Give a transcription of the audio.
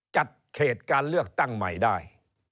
จัดเขตการเลือกตั้งใหม่ได้